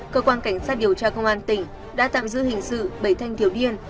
cơ quan cảnh sát điều tra công an tỉnh đã tạm giữ hình sự bảy thanh thiếu niên